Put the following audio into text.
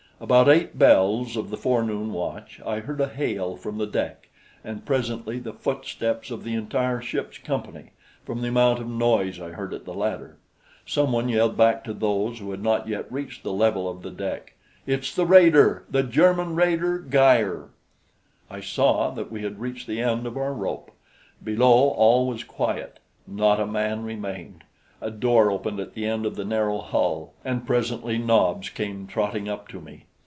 About eight bells of the forenoon watch I heard a hail from the deck, and presently the footsteps of the entire ship's company, from the amount of noise I heard at the ladder. Some one yelled back to those who had not yet reached the level of the deck: "It's the raider, the German raider Geier!" I saw that we had reached the end of our rope. Below all was quiet not a man remained. A door opened at the end of the narrow hull, and presently Nobs came trotting up to me.